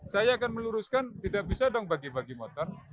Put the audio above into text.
saya akan meluruskan tidak bisa dong bagi bagi motor